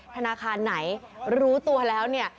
ธนาคารไหนรู้ตัวแล้วเนี่ย